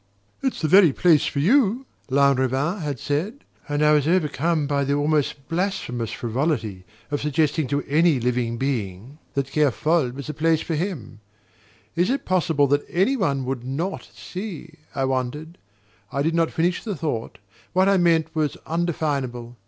"It's the very place for you!" Lanrivain had said; and I was overcome by the almost blasphemous frivolity of suggesting to any living being that Kerfol was the place for him. "Is it possible that any one could NOT see ?" I wondered. I did not finish the thought: what I meant was undefinable.